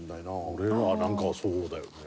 俺らなんかはそうだよね。